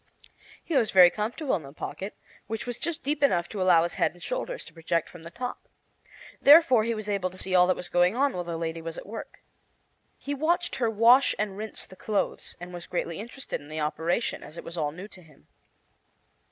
He was very comfortable in the pocket, which was just deep enough to allow his head and shoulders to project from the top. Therefore he was able to see all that was going on while the lady was at work. He watched her wash and rinse the clothes, and was greatly interested in the operation, as it was all new to him.